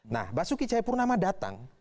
nah basuki caipurnama datang